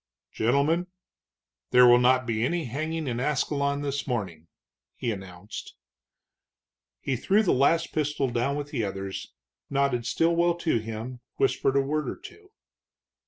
"Gentlemen, there will not be any hanging in Ascalon this morning," he announced. He threw the last pistol down with the others, nodded Stilwell to him, whispered a word or two.